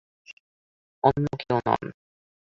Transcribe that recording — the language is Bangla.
অন্য কেউ নন।